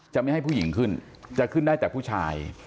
จะไม่ให้ผู้หญิงขึ้นจะขึ้นได้แต่ผู้ชาย